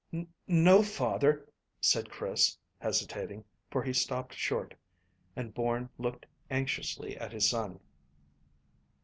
"No, father," said Chris, hesitating, for he stopped short, and Bourne looked anxiously at his son.